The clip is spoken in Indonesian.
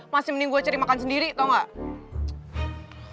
maksudnya mending gue cari makan sendiri tau gak